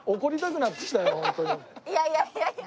いやいやいやいや。